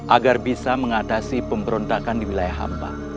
agar bisa mengatasi pemberontakan di wilayah hampa